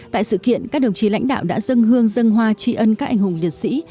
tại sự kiện các đồng chí lãnh đạo đã dâng hương dân hoa tri ân các anh hùng liệt sĩ